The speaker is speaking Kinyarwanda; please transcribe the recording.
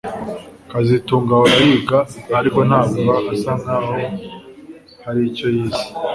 kazitunga ahora yiga ariko ntabwo asa nkaho hari icyo yize